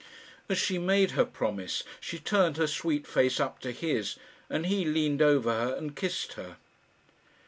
As she made her promise she turned her sweet face up to his, and he leaned over her, and kissed her.